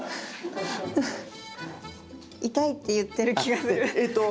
「痛い」って言ってる気がする。